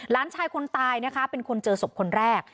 หลานชายคนตายนะคะเป็นคนเจอศพคนแรก